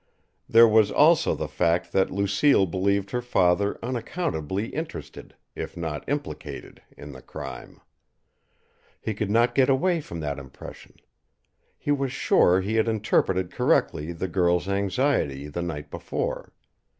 There was, also, the fact that Lucille believed her father unaccountably interested, if not implicated, in the crime. He could not get away from that impression. He was sure he had interpreted correctly the girl's anxiety the night before.